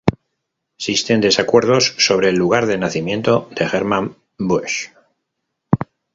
Existen desacuerdos sobre el lugar de nacimiento de Germán Busch.